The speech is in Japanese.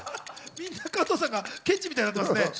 みんな加藤さんがケチみたいになってますね。